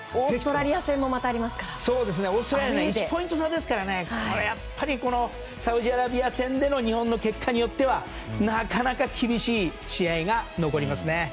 オーストラリアとは１ポイント差ですからサウジアラビア戦での日本の結果によってはなかなか厳しい試合が残りますね。